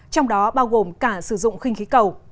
trong đó bao gồm cả xã hội